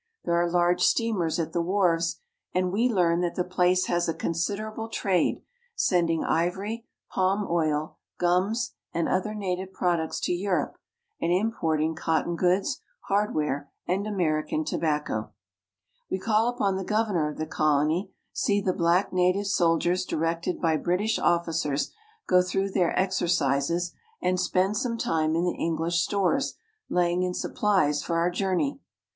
There are large steamers at the .RP. AfmCA — 13 r202 ' AFRICA wharves, and we learn that the place has a considerable trade, sending ivory, palm oil, gums, and other native pi'od iicts to Europe and importing cotton goods, hardware, and I 1 American tobacco. ^t^ We call upon the _ j^B governor of the col ony, see the black na tive soldiers directed by British officers go through their exer cises, and spend some time in the English stores laying in sup plies for our journey.